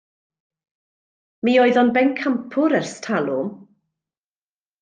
Mi oedd o'n bencampwr ers talwm.